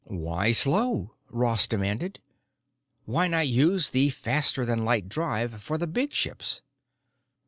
"Why slow?" Ross demanded. "Why not use the faster than light drive for the big ships?"